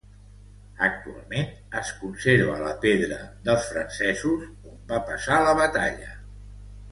Actualment es conserva la pedra dels francesos on va passar la batalla.